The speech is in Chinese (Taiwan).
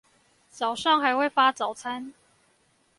早上還會發早餐